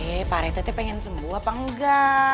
eh pak retek pengen sembuh apa engga